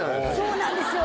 そうなんですよ。